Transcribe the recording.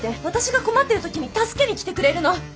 私が困ってる時に助けに来てくれるの。